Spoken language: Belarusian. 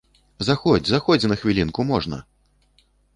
Заходзь, заходзь на хвілінку, можна.